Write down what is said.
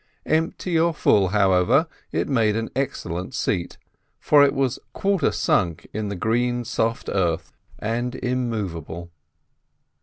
Empty or full, however, it made an excellent seat, for it was quarter sunk in the green soft earth, and immovable.